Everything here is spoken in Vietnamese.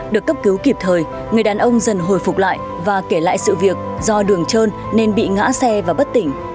được cấp cứu kịp thời người đàn ông dần hồi phục lại và kể lại sự việc do đường trơn nên bị ngã xe và bất tỉnh